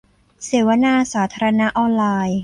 เสวนาสาธารณะออนไลน์